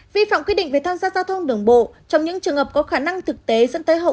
vi phạm quy định về tham gia giao thông đường bộ trong những trường hợp có khả năng thực tế dẫn tới hậu